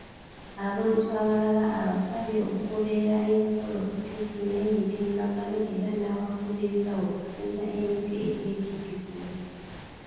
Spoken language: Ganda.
Abantu abalala, abasabye okugoberera emikolo ku ttivvi n'emitimbagano era n'abakubiriza okusimba emiti egy'ekijjukizo.